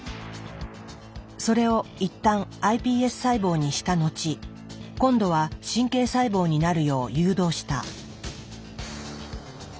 それを一旦ｉＰＳ細胞にした後今度は神経細胞になるよう誘導した。